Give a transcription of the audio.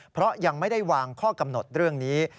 เพราะยังไม่ได้วางข้อกำหนดเรื่องนี้